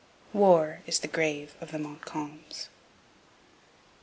'War is the grave of the Montcalms.'